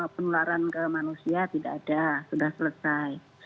penularan ke manusia tidak ada sudah selesai